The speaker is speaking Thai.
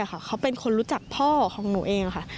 เขาเป็นคนรู้จักพ่อของหนูเองค่ะ